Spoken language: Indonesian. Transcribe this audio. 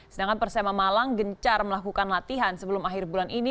sedangkan persema malang gencar melakukan latihan sebelum akhir bulan ini